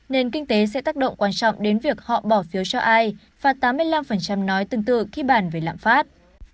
nên kinh tế sẽ tác động quan trọng đến việc họ bỏ phiếu cho ai và tám mươi năm nói tương tự khi bàn về lạm phát